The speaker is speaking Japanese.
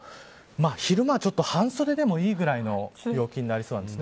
昼間は、ちょっと半袖でもいいぐらいの陽気になりそうなんです。